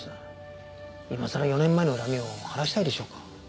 今さら４年前の恨みを晴らしたいでしょうか？